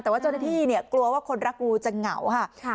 แต่ว่าเจ้าหน้าที่เนี่ยกลัวว่าคนรักงูจะเหงาค่ะ